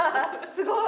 すごい。